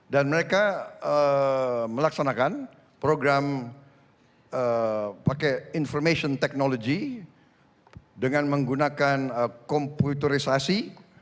dan mereka melaksanakan program pakai information technology dengan menggunakan komputerisasi